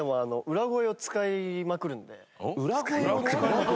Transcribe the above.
裏声？